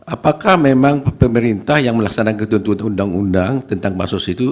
apakah memang pemerintah yang melaksanakan ketentuan undang undang tentang basos itu